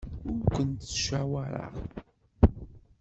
Ur kent-ttcawaṛeɣ.